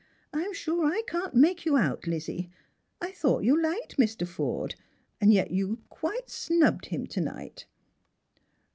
" I'm sure I can't make you out, Lizzie. I thought you liked Mr. Forde, and yet you quite snubbed him to night."